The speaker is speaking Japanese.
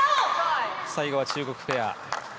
最後は中国ペア。